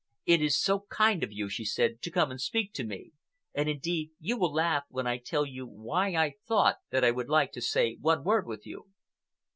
"It is so kind of you," she said, "to come and speak to me. And indeed you will laugh when I tell you why I thought that I would like to say one word with you."